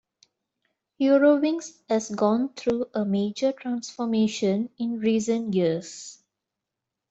Eurowings has gone through a major transformation in recent years.